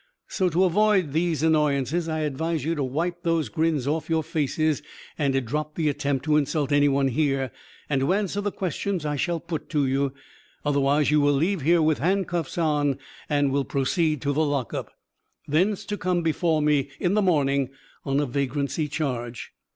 So, to avoid these annoyances, I advise you to wipe those grins off your faces and to drop the attempt to insult anyone here and to answer the questions I shall put to you. Otherwise, you will leave here with handcuffs on and will proceed to the lock up; thence to come before me in the morning on a vagrancy charge."